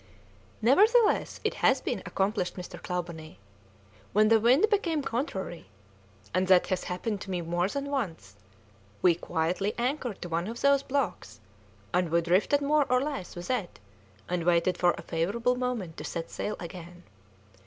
"Nevertheless, it has been accomplished, Mr. Clawbonny. When the wind became contrary and that has happened to me more than once we quietly anchored to one of those blocks, and we drifted more or less with it and waited for a favourable moment to set sail again.